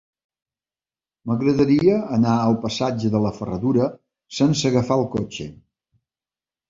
M'agradaria anar al passatge de la Ferradura sense agafar el cotxe.